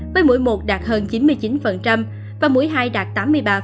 với mỗi một đạt hơn chín mươi chín và mũi hai đạt tám mươi ba